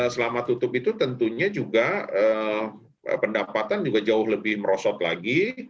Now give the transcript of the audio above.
selama tutup itu tentunya juga pendapatan juga jauh lebih merosot lagi